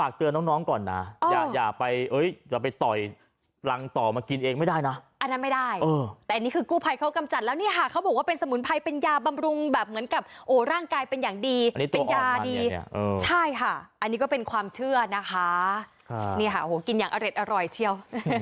นี่ค่ะเขาบอกว่าเป็นสมุนไพรเป็นยาบำรุงแบบเหมือนกับโอ้ร่างกายเป็นอย่างดีเป็นยาดีใช่ค่ะอันนี้ก็เป็นความเชื่อนะคะนี่ค่ะโอ้โหกินอย่างอร่อยเชียว